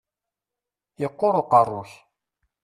Yeqqur uqerru-k!